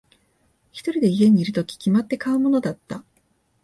一人で家にいるとき、決まって買うものだった。